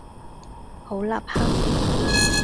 好立克